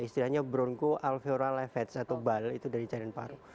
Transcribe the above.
istilahnya bronchoalveolar levates atau bal itu dari cairan paru